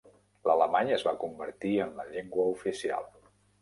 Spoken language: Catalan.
L'alemany es va convertir en la llengua oficial.